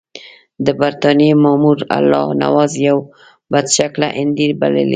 د برټانیې مامور الله نواز یو بدشکله هندی بللی.